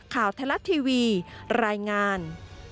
ข่าวเทลต์ทีวีรายงาน